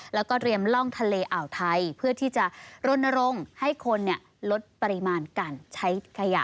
แล้วก็เตรียมล่องทะเลอ่าวไทยเพื่อที่จะรณรงค์ให้คนลดปริมาณการใช้ขยะ